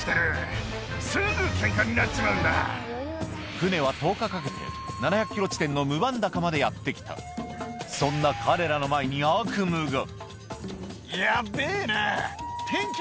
船は１０日かけて７００ｋｍ地点のムバンダカまでやって来たそんな彼らの前にヤッベェな。